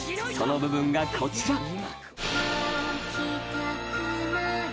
［その部分がこちら］